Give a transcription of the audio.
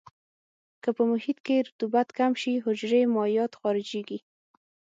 که په محیط کې رطوبت کم شي حجرې مایعات خارجيږي.